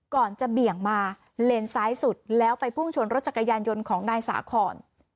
ก่อนจะเบี่ยงมาเลนซ้ายสุดแล้วไปพุ่งชนรถจักรยานยนต์ของนายสาคอน